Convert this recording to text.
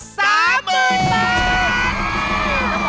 ๓หมื่นบาท